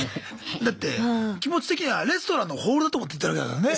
だって気持ち的にはレストランのホールだと思って行ってるわけだからね。